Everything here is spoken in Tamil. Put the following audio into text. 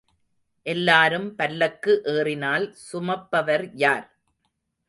எல்லாரும் பல்லக்கு ஏறினால் சுமப்பவர் யார்?